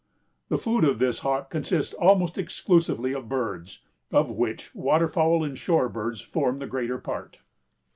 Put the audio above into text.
"The food of this hawk consists almost exclusively of birds, of which water fowl and shore birds form the greater part."